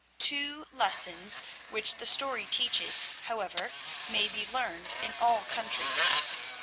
Two lessons which the story teaches, however, may be learned in all countries.